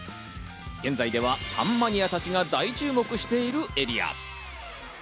現在ではパンマニアたちが大注目しているエリア。